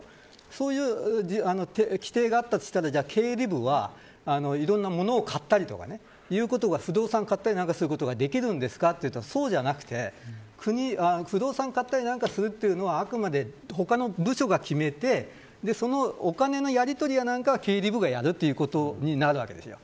そういう規定があったとしたら経理部が不動産を買ったりすることができるのかといったらそうじゃなくて不動産を買ったりするというのはあくまで他の部署が決めてそのお金のやり取りなんかは経理部がやるということになるわけですよ。